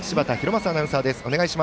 正アナウンサーです。